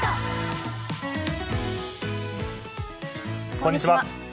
こんにちは。